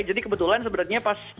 jadi kebetulan sebenarnya pas